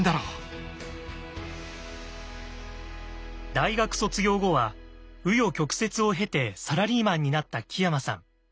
大学卒業後は紆余曲折を経てサラリーマンになった木山さん。